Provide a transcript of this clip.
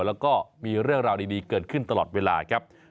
แล้วก็มีเรื่องราวดีเกิดขึ้นตลอดเวลาครับ